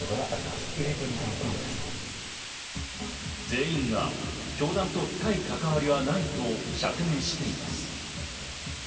全員が教団と深い関わりはないと釈明しています。